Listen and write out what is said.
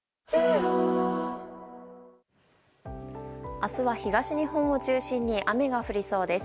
明日は東日本を中心に雨が降りそうです。